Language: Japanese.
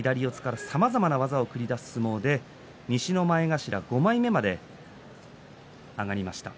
さまざまな技を繰り出す相撲で西の前頭５枚目まで上がりました。